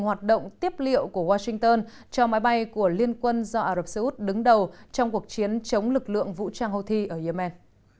hoạt động tiếp liệu của washington cho máy bay của liên quân do ả rập xê út đứng đầu trong cuộc chiến chống lực lượng vũ trang houthi ở yemen